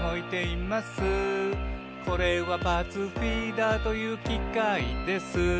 「これはパーツフィーダーというきかいです」